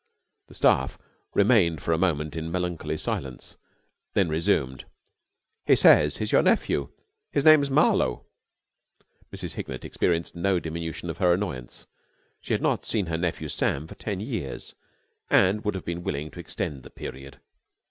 The staff remained for a moment in melancholy silence, then resumed. "He says he's your nephew. His name's Marlowe." Mrs. Hignett experienced no diminution of her annoyance. She had not seen her nephew Sam for ten years and would have been willing to extend the period.